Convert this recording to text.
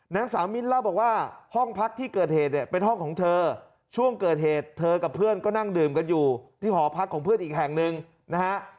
นางสาวมิ้นเล่าบอกว่าห้องพักที่เกิดเหตุเนี่ยเป็นห้องของเธอช่วงเกิดเหตุเธอกับเพื่อนก็นั่งดื่มกันอยู่ที่หอพักของเพื่อนอีกแห่งหนึ่งนะฮะ